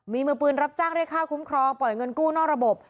มีมือปืนรับจ้างเรียกค่าคุ้มครองปล่อยเงินกู้นอกระบบ